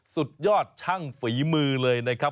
สุดยอดช่างฝีมือเลยนะครับ